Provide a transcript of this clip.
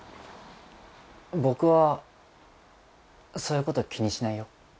僕はそういうこと気にしないよ。